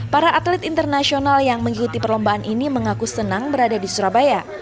para atlet internasional yang mengikuti perlombaan ini mengaku senang berada di surabaya